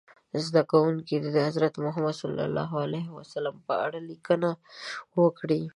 زده کوونکي دې د حضرت محمد ص په اړه لیکنه وکړي.